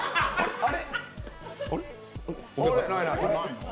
あれ？